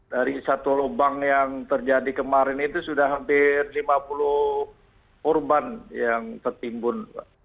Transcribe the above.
dari satu lubang yang terjadi kemarin itu sudah hampir lima puluh korban yang tertimbun